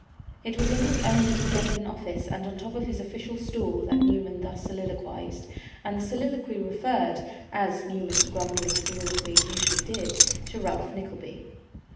It was in his own little den of an office and on the top of his official stool that Newman thus soliloquised; and the soliloquy referred, as Newman's grumbling soliloquies usually did, to Ralph Nickleby.